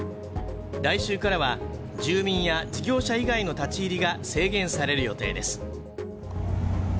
来週からは住民や事業者以外の立ち入りが制限される予定です。